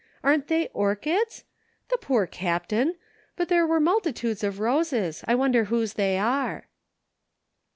Aren't they or chids ? The poor Captain ! But there were multitudes of roses. I wonder whose they are."